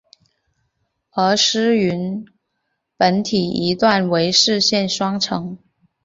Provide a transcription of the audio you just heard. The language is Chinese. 而师云砵桥一段为四线双程。